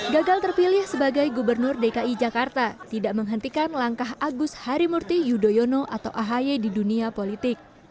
gagal terpilih sebagai gubernur dki jakarta tidak menghentikan langkah agus harimurti yudhoyono atau ahy di dunia politik